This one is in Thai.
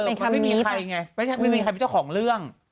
ไม่มีใครไงไม่มีใครเป็นเจ้าของเรื่อง